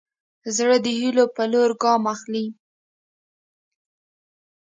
زړه د هيلو په لور ګام اخلي.